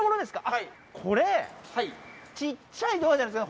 はいこれちっちゃいドアじゃないですか